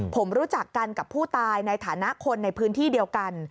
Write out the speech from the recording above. ผมรู้จักกันกับผู้ตายในฐานะคนในพื้นที่เดียวกัน